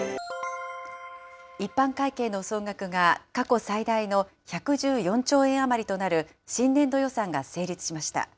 一般会計の総額が過去最大の１１４兆円余りとなる新年度予算が成立しました。